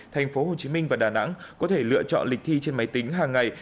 thành phố hồ chí minh và đà nẵng có thể lựa chọn lịch thi trên máy tính hàng ngày